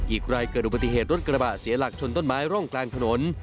อีกรายเกิดอุบัติเหตุรถกระบะเสียหลักชนต้นไม้ร่องกลางถนน